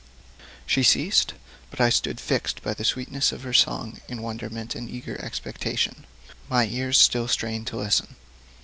She ceased, but I stood fixed by the sweetness of the song in wonderment and eager expectation, my ears still strained to listen.